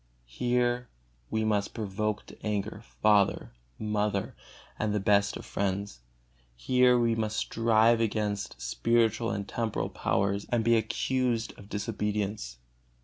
Here we must provoke to anger father, mother, and the best of friends. Here we must strive against spiritual and temporal powers, and be accused of disobedience.